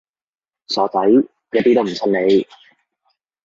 傻仔，一啲都唔襯你